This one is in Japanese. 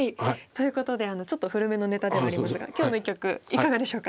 ということでちょっと古めのネタではありますが今日の一局いかがでしょうか？